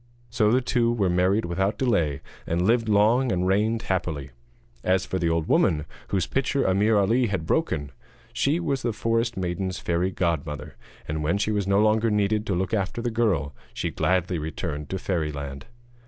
So the two were married without delay, and lived long and reigned happily. As for the old woman whose pitcher Ameer Ali had broken, she was the forest maiden's fairy godmother, and when she was no longer needed to look after the girl she gladly returned to fairyland.